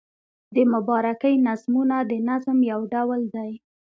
د مبارکۍ نظمونه د نظم یو ډول دﺉ.